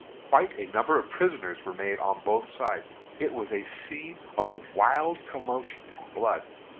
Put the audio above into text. Quite a number of prisoners were made on both sides. It was a scene of wild commotion and blood.